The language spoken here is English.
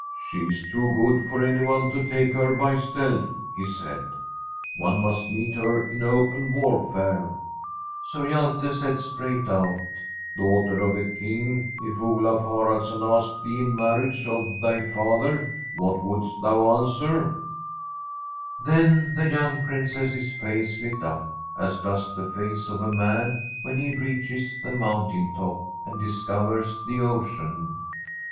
• She is too good for anyone to take her by steahh/ he said; *one must meet her in open war&re/ So Hjalte said straight out :' Daugh ter of a King, if Olaf Haraldsson asked thee in marriage Qi thy father, what wouldst thou an swer?' [176I ASTRID Then the young Princess's face lit up, as docs the face of a man when he reaches the mountain top and discovers the ocean.